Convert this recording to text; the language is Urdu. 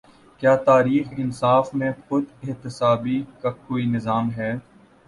کیا تحریک انصاف میں خود احتسابی کا کوئی نظام ہے؟